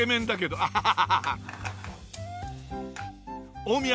アハハハ。